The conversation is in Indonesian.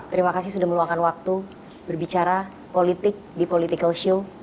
terima kasih sudah meluangkan waktu berbicara politik di political show